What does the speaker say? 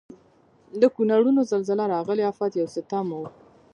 د کونړونو زلزله راغلي افت یو ستم و.